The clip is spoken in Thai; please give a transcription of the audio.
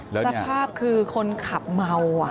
สภาพคือคนขับเมา